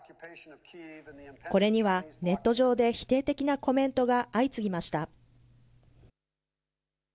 これにはネット上で否定的なコメントが相次ぎました。